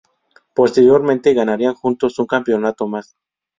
Posteriormente ganarían juntos un campeonato más.